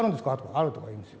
「ある」とか言うんですよ。